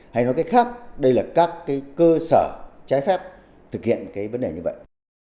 hãy nói cái khác đây là các cái cơ sở trái phép thực hiện cái vấn đề như vậy